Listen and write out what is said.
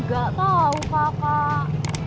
gak tau kakak